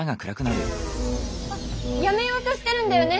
あっやめようとしてるんだよね？